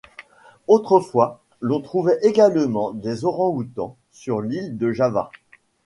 Autrefois l'on trouvait également des orangs-outans sur l'île de Java.